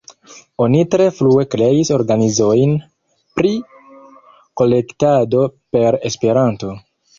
Oni tre frue kreis organizojn pri kolektado per Esperanto.